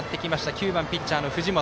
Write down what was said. ９番ピッチャーの藤本。